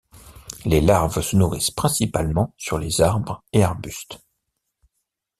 Les larves se nourrissent principalement sur les arbres et arbustes.